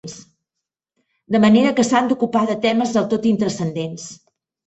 De manera que s’han d’ocupar de temes del tot intranscendents.